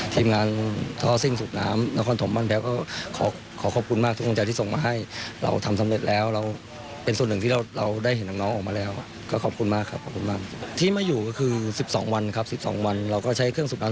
ทีมงานท่อซิ่งสุขน้ำนครถมวันแพ้ก็ขอขอบคุณมากทุกคนที่ส่งมาให้เราทำสำเร็จแล้วเราเป็นส่วนหนึ่งที่เราได้เห็นน้องออกมาแล้วก็ขอบคุณมากครับขอบคุณมาก